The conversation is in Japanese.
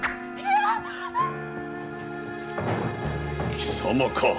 貴様か。